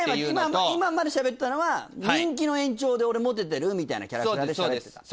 今までしゃべったのは人気の延長で俺モテてるみたいなキャラクターでしゃべってた。